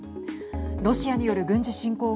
ロシアによる軍事侵攻後